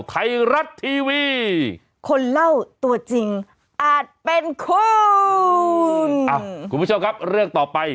ไทยรัฐทีวีคนเล่าตัวจริงอาจเป็นคุณอ่ะคุณผู้ชมครับเรื่องต่อไป